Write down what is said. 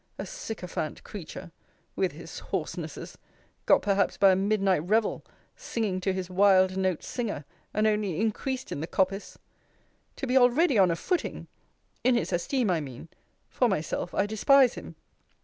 A sycophant creature! With his hoarsenesses got perhaps by a midnight revel, singing to his wild note singer, and only increased in the coppice! To be already on a footing! In his esteem, I mean: for myself, I despise him.